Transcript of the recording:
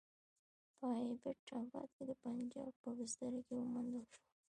په ایبټ اباد کې د پنجاب په بستره کې وموندل شوه.